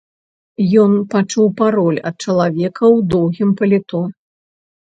Ён пачуў пароль ад чалавека ў доўгім паліто.